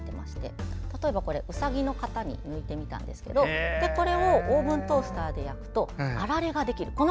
例えば、ウサギの型に抜いてみたんですがこれをオーブントースターで焼くとあられができる。